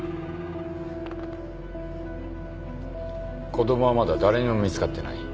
・・・子供はまだ誰にも見つかってない。